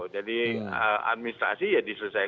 jadi administrasi ya diselesaikan